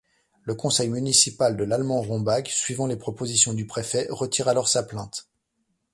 Le conseil municipal de l’Allemand-Rombach suivant les propositions du préfet retire alors sa plainte.